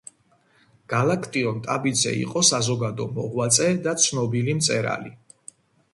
გალაქტიონ ტაბიძე იყო საზოგადო მოღვაწე და ცნობლი მწერალი.